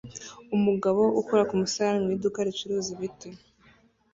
Umugabo ukora ku musarani mu iduka ricuruza ibiti